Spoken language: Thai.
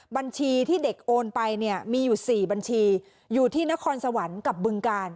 บัญชีที่เด็กโอนไปเนี่ยมีอยู่๔บัญชีอยู่ที่นครสวรรค์กับบึงกาล